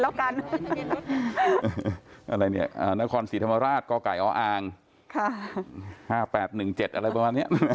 ถ่ายรูปเท่าไรค่ะ